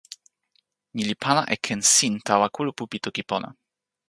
ni li pana e ken sin tawa kulupu pi toki pona.